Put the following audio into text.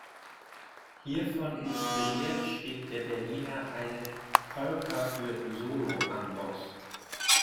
Hiervon inspiriert schrieb der Berliner eine Polka für „Solo-Amboss“.